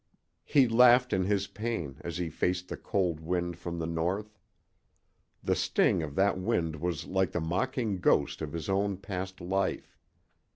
He laughed in his pain as he faced the cold wind from the north. The sting of that wind was like the mocking ghost of his own past life.